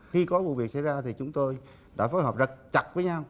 khi có vụ việc xảy ra thì chúng tôi đã phối hợp rất chặt với nhau